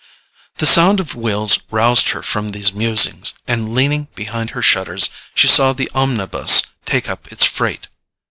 The sound of wheels roused her from these musings, and leaning behind her shutters she saw the omnibus take up its freight.